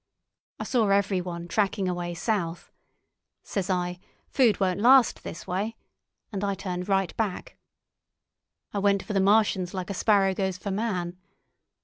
I saw everyone tracking away south. Says I, 'Food won't last this way,' and I turned right back. I went for the Martians like a sparrow goes for man.